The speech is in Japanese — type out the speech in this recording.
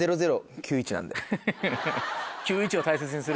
９１を大切にする？